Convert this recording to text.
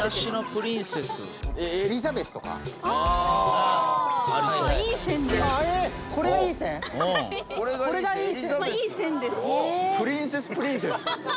プリンセス×プリンセス。